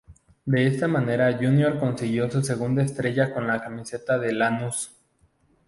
De esta manera Junior consiguió su segunda estrella con la camiseta de Lanús.